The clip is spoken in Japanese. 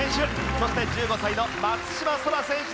そして１５歳の松島輝空選手です。